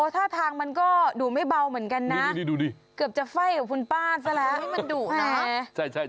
ท่าทางมันก็ดุไม่เบาเหมือนกันนะเกือบจะไฟ่กับคุณป้าซะแล้วให้มันดุนะ